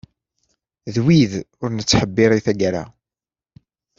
D wid ur nettḥebbiṛ i tagara.